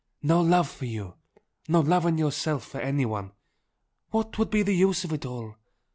no love for you no love in yourself for anyone what would be the use of it all?